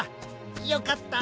よかった！